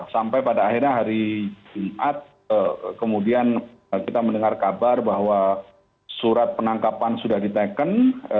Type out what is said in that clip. sampai pada akhirnya hari jumat kemudian kita mendengar kabar bahwa surat penangkapan sudah diteken